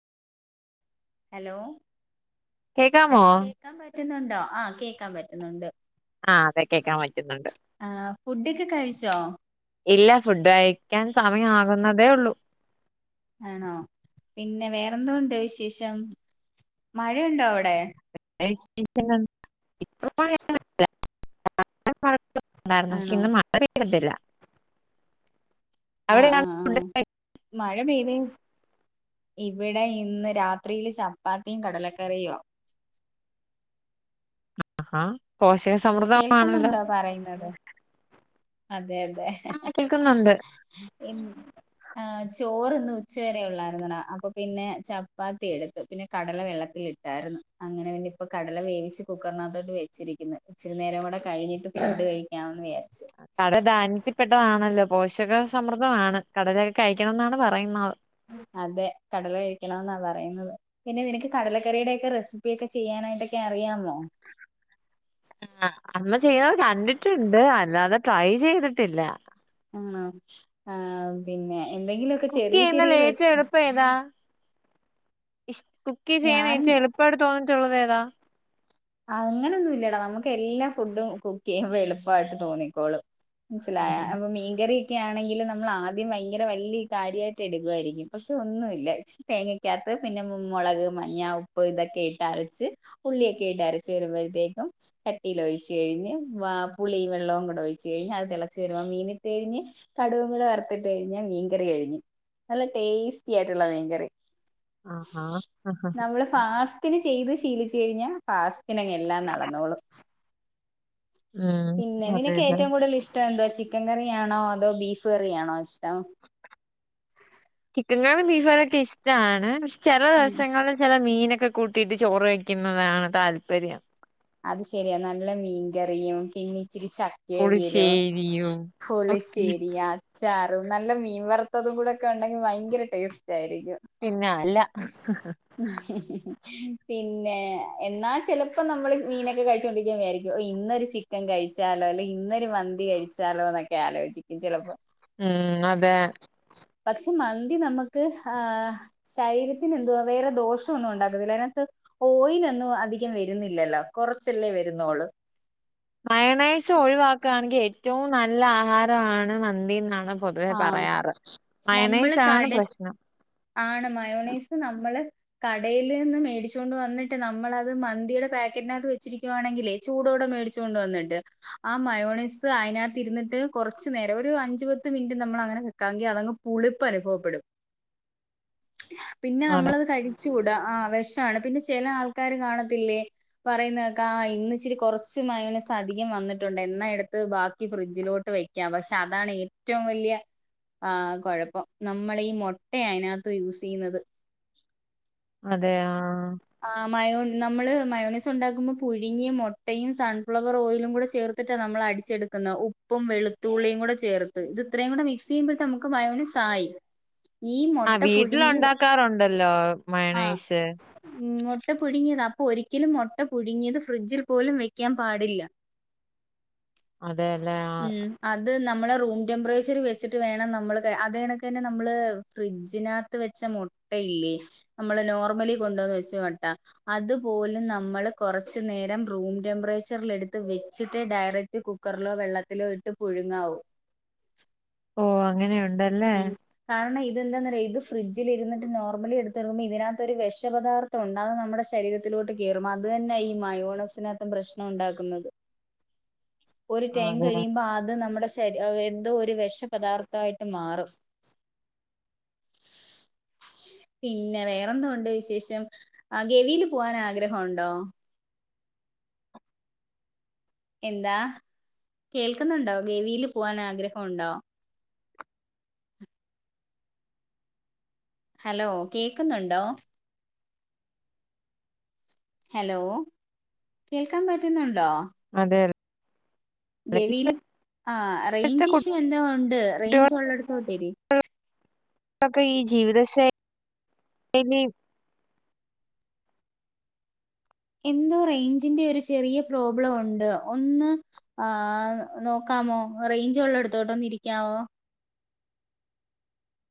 Hello കേക്കാമോ hello കേക്കാൻ പറ്റുന്നുണ്ടോ ആഹ് കേക്കാൻ പറ്റുന്നുണ്ട് ആഹ് അതെ കേക്കാൻ പറ്റുന്നുണ്ട് ആഹ് ഫുഡൊക്കെ കഴിച്ചോ ഇല്ല ഫുഡ് കഴിക്കാൻ സമയമാകുന്നതേ ഉള്ളൂ ആണോ പിന്നെ വേറെന്തോ ഉണ്ട് വിശേഷം മഴയുണ്ടോ അവിടെ [unintelligible] [unintelligible] പക്ഷെ ആണോ ഇന്ന് മഴ പെയ്തിട്ടില്ല ആഹ് ആഹ് ആഹ് മഴ പെയ്തേന് ഇവിടെ ഇന്ന് രാത്രിയില് ചപ്പാത്തിയും കടലക്കറിയുവാ ആഹാ പോഷക സമൃദ്ധമാണല്ലോ കേൾക്കുന്നുണ്ടോ പറയുന്നത് അതെ അതെ ആ കേൾക്കുന്നുണ്ട് ആഹ് ചോറിന്ന് ഉച്ച വരെ ഉള്ളായിരുന്നടാ അപ്പൊ പിന്നെ ചപ്പാത്തി എടുത്ത് പിന്നെ കടല വെള്ളത്തിട്ടു ണ്ടാരുന്നു അങ്ങനെ പിന്നെ ഇപ്പൊ കടല വേവിച്ച് കുക്കറിനകത്തോട്ട് വെച്ചിരിക്കുന്നു ഇച്ചിരി നേരം കൂടെ കഴിഞ്ഞിട്ട് ഫുഡ് കഴി ക്കാന്ന് വിചാരിച്ചു കടല ദാന്യത്തിപ്പെട്ടതാണല്ലോ പോഷക സമ്രദ്ധമാണ് കടലയൊക്കെ കഴിക്കണം എന്നാണ് പറയുന്നത് അതെ കടല കഴിക്കണമെന്നാ പറയുന്നത് പിന്നെ നിനക്ക് കടലക്കറിയുടൊക്കെ റെസിപ്പിയൊക്കെ ചെയ്യാനായിട്ടൊക്കെ അറിയാമോ? ആഹ് അമ്മ ചെയ്തത് കണ്ടിട്ടുണ്ട് അല്ലാതെ ട്രൈ ചെയ്തിട്ടില്ല ആണോ ആഹ് പിന്നെ എന്തെങ്കിലും കുക്ക് ചെയ്യുന്നതിൽ ഏറ്റവും എളുപ്പം ഏതാ? ഇശ് കുക്ക് ചെയ്യാൻ ഞാൻ ഏറ്റവും എളുപ്പമായിട്ട് തോന്നിട്ടുള്ളത് ഏതാ? അങ്ങനെയൊന്നും ഇല്ലടാ നമുക്ക് എല്ലാ ഫുഡും കുക്ക് ചെയ്യുമ്പോ എളുപ്പായിട്ട് തോന്നിക്കോളും മനസ്സിലായാ അപ്പൊ മീൻകറി ഒക്കെ ആണെങ്കിലും നമ്മൾ ആദ്യം ഭയങ്കര വലിയ കാര്യായിട്ട് എടുക്കുവായിരിക്കും പക്ഷെ ഒന്നുവില്ല ചി തേങ്ങക്കകത്ത് പിന്നെ മുളക് മഞ്ഞ ഉപ്പ് ഇതൊക്കെ ഇട്ട് അരച്ച് ഉള്ളിയൊക്കെ യിട്ടരച്ച് വരുമ്പഴത്തേക്കും കട്ടീല് ഒഴിച്ച് കഴിഞ്ഞ് വാ പുളിയും വെള്ളവും കൂടെ ഒഴിച്ച് കഴിഞ്ഞ് അത് തിളച്ച് വരുമ്പൊ മീനിട്ട് കഴിഞ്ഞ് കടുകും കൂടെ വറുത്തിട്ട് കഴിഞ്ഞാൽ മീൻകറി കഴിഞ്ഞു നല്ല ടേസ്റ്റി ആയിട്ടുള്ള മീൻകറി. ആഹ് ആഹ് നമ്മള് ഫാസ്റ്റിന് ചെയ്ത് ശീലിച്ചു കഴിഞ്ഞാ ഫാസ്റ്റിന്ങ്ങ് എല്ലാം നടന്നോളും ഉം പിന്നെ അതെ നിക്ക് അതെ ഏറ്റവും കൂടുതൽ ഇഷ്ടം എന്തോ ചിക്കൻ കറിയാണോ അതോ ബീഫ് കറിയാണോ ഇഷ്ടം ചിക്കൻ കറിയും ബീഫ് കറിയൊക്കെ ഇഷ്ട്ടാണ് ചെലെ ദവസങ്ങളില് ചെലെ മീനൊക്കെ കൂട്ടിയിട്ട് ചോറ് വയ്ക്കുന്നതാണ് താല്പര്യം. അത് ശരിയാ നല്ല മീൻകറിയും പിന്നെ ഇച്ചിരി ശ ഏവിയലോ പുളിശ്ശേരിയും ഫുള്ള് ഒക്കെ ശരിയാ ചാറും നല്ല മീൻ വറുത്തതും കൂടെ ഒക്കെ ഉണ്ടെങ്കി ഭയങ്കര ടേസ്റ്റ് ആയിരിക്കും. പിന്നെ അല്ല പിന്നെ എന്നാ ചിലപ്പോ നമ്മള് [unintelligible] പിന്നെഎന്ന ചെലപ്പോഞമ്മള് മീനൊക്കെ കഴിച്ചോണ്ടിരിക്കുമ്പൊ വിചാരിക്കും ഓ ഇന്നൊരു ചിക്കൻ കഴിച്ചാലോ അല്ലെങ്കി ഇന്നൊരു മന്തി കഴിച്ചാലോ ന്നൊക്കെ ആലോചിക്കും ചെലപ്പോ ഉം അതെ പക്ഷെ മന്തി നമുക്ക് ആഹ് ശരീരത്തിന് എന്തുവാ വേറെ ദോഷംഒന്നും ഉണ്ടാകുന്നില്ല തിനകത്ത് ഓയിലൊന്നും അധികം വരുന്നില്ലല്ലോ കൊറച്ചല്ലേ വരുന്നോള്ള് മയണൈസ് ഒഴിവാക്കാണെങ്കിൽ ഏറ്റവും നല്ല ആഹാരവാണ് മന്തീ ന്നാ ന്ന് പൊതുവേ പറയാറ് നമ്മള് മയനൈസാണ് കട പ്രശ്നം ആണ് മയോണൈസ് നമ്മള് കടേയിൽ നിന്ന് മേടിച്ചൊണ്ട് വന്നിട്ട് നമ്മളത് മന്തിയുടെ പാക്കറ്റിനകത്ത് വെച്ചിരിക്കുവാണെങ്കിലേയ് ചൂടോടെ മേടിച്ചോണ്ട് വന്നിട്ട് ആ മയോണൈസ് അയി നകത്ത് ഇരുന്നിട്ട് കൊറച്ചു നേരം ഒരു അഞ്ചു പത്ത് മിനിറ്റ് നമ്മൾ അങ്ങനെ വെക്കാങ്കിൽആകും പുളിപ്പ് അനുഭവപ്പെടും പിന്നെ അതെ നമ്മളത് കഴിച്ച് കൂടാ ആ വെഷാണ് പിന്നെ ചെലെ ആൾക്കാര് കാണത്തില്ലേ പറയുന്നതയ്കാ ആ ഇന്ന് ഇച്ചിരി കുറച്ച് മയോണൈസ് അധികം വന്നിട്ടുണ്ട് എന്നാ എടുത്ത് ബാക്കി ഫ്രിഡ്ജിലോട്ട് വയ് പക്ഷെ അതാണ് ഏറ്റവും വലിയ ആഹ് കുഴപ്പം നമ്മളീ മൊ മൊട്ടയാ അയിനകത്ത് യൂസ് ചെയ്യുന്നത് അതെ ആഹ് ആ മയോ നമ്മള് മയോണൈസ് ഉണ്ടാക്കുമ്പോ പുഴുങ്ങിയ മൊട്ടയും സൺഫ്ലവർ ഓയിലും കൂടെ ചേർ ന്ന് ട്ടാ നമ്മള് അടിച്ചെടുക്കുന്ന ഉപ്പും വെളുത്തുള്ളിയും കൂടെ ചേർത്ത് ഇത് ഇത്രയും കൂടെ മിക്സ് ചെയ്യുമ്പോഴേത്ത് നമുക്ക് മയോണൈസായി [inaudible] ആ വീട്ടിലുണ്ടാക്കാറുണ്ടല്ലോ ആ മയോണൈസ് ഉം മൊട്ട പുഴുങ്ങിയതാ അപ്പൊ ഒരിക്കലും മൊട്ട പുഴുങ്ങിയത് ഫ്രിഡ്ജിൽ പോലും വെക്കാൻ പാടില്ല. [inaudible] അതെല്ലേ ആ ഉം അത് നമ്മള് റൂം ടെമ്പറേച്ചറി വെച്ചിട്ട് വേണം നമ്മള് അതണക്ക്‌ തന്നെ നമ്മള് ഫ്രിഡ്ജിനക ത് വെച്ച മുട്ടയില്ലേ നമ്മള് നോർമലി കൊണ്ടുവന്ന് വെച്ച മുട്ട അതുപോലും നമ്മള് കൊറച്ച് നേരം റൂം ടെമ്പറേച്ചറിൽ എടുത്ത് വെച്ചിട്ടേ ഡയറക്റ്റ് കുക് കു ക്കറിലോ വെള്ളത്തിലോ ഇട്ട് പുഴുങ്ങാവൂ ഓ അങ്ങനെയുണ്ടല്ലേ ഉം കാരണം ഇത് എന്തെന്നറിയോ ഇത് ഫ്രിഡ്ജിൽ ഇരിട്ട് നോർമലി എടുത്ത്റങ്ങുമ്പോ ഇതിനകത്ത് ഒരു വെശ പദാർതോണ്ട് അത് നമ്മുടെ ശരീരത്തിലോട്ട് കേറും അത് ന്നെ ഈ മയോണസ്നകത്തും പ്രശ്നോണ്ടാക്കുന്നത് ഒരു ടൈം അതെ കഴിയുമ്പോ ആത് നമ്മുടെസ് ത് അത് എന്തോ ഒരു വെഷപദാർത്ഥായിട്ട്മാറും. പിന്നെ വേറെന്തൊണ്ട് വിശേഷം ആ ഗവിൽ പോവാൻ ആഗ്രഹണ്ടോ എന്താ കേൾക്കുന്നുണ്ടോ ഗേവിൽ പോവാൻ ആഗ്രഹണ്ടോ ഹലോ കേക്കുന്നുണ്ടോ ഹലോ കേൾക്കാൻ പറ്റുന്നുണ്ടോ അതെ തെ ഗെവില് ആ റേയ് ഇപ്പോഴത്തെ ഞ്ച് ഇഷ്യൂ എന്തോ ഉണ്ട് റേഞ്ച് ഉള്ളടത്തോട്ടിരി വിട്ടേക്ക് ക്കെ ഈ ജീവിത ശൈ ലി [unintelligible] എന്തോ റേയ് ഞ്ചി ന്റെ ഒരു ചെറിയ പ്രോബ്ലം ഉണ്ട് ഒന്ന് ആഹ് നോക്കാമോ റൈഞ്ച് ഉള്ളിടത്തോട്ട് ഇരിക്കാമോ